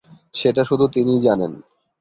সেটা শুধু তিনিই জানেন।